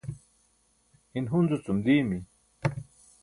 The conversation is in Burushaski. in Hunzu-cum diimi